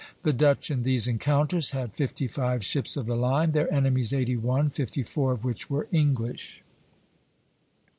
The Dutch in these encounters had fifty five ships of the line; their enemies eighty one, fifty four of which were English.